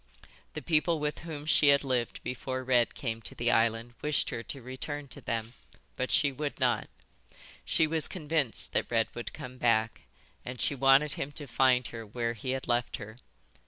The people with whom she had lived before Red came to the island wished her to return to them, but she would not; she was convinced that Red would come back, and she wanted him to find her where he had left her.